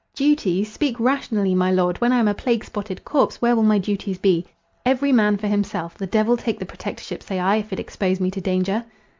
"Duties! speak rationally, my Lord!—when I am a plague spotted corpse, where will my duties be? Every man for himself! the devil take the protectorship, say I, if it expose me to danger!"